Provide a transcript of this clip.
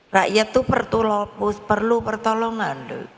rakyat itu perlu pertolongan